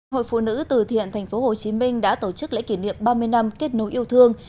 hội phụ nữ từ thiện tp hcm đã tổ chức lễ kỷ niệm ba mươi năm kết nối yêu thương